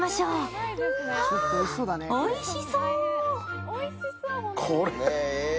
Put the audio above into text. はあ、おいしそう。